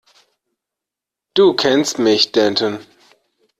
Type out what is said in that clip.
Du kennst mich, Danton.